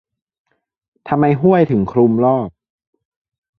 ทำไมห้วยถึงคลุมรอบ ?